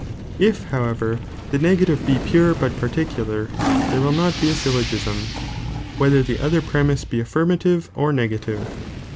If however the negative be puce but particular, there will not be a syllogism, whether tbe other premise be affirmative or negative.